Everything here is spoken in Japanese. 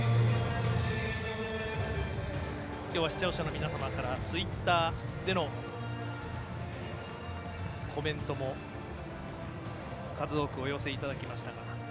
きょうは視聴者の皆様からツイッターでのコメントも数多くお寄せいただきました。